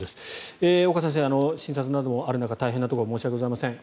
岡先生、診察などあるところ大変なところ申し訳ありません。